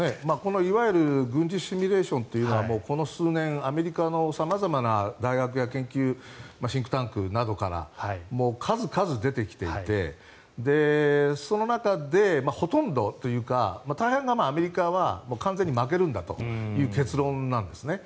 いわゆる軍事シミュレーションというのはこの数年、アメリカの様々な大学やシンクタンクなどからも数々出てきていてその中でほとんどというか大半が、アメリカは完全に負けるんだという結論なんですね。